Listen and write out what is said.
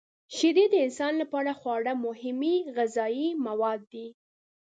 شیدې د انسان لپاره خورا مهمې غذايي مواد دي.